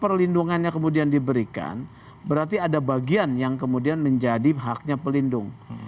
perlindungannya kemudian diberikan berarti ada bagian yang kemudian menjadi haknya pelindung